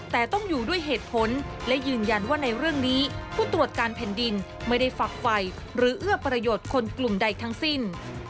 แต่ต้องอยู่ด้วยเหตุผลและยืนยันว่าในเรื่องนี้ผู้ตรวจการแผ่นดินไม่ได้ฟักไฟหรือเอื้อประโยชน์คนกลุ่มใดทั้งสิ้น